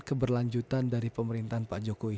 keberlanjutan dari pemerintahan pak jokowi